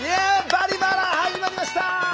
「バリバラ」始まりました！